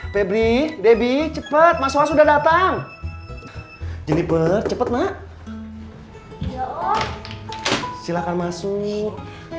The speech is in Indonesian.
febri debbie cepat masuk sudah datang jelibet cepet nak silakan masuk